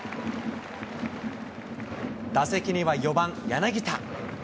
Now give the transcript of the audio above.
打席には４番柳田。